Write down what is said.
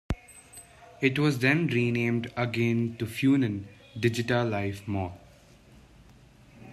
It was then renamed again to Funan DigitaLife Mall.